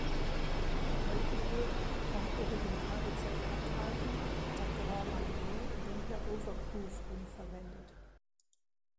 Häufig wird, vom Originalrezept abweichend, statt Grand Manier dunkler Over-Proof-Rum verwendet.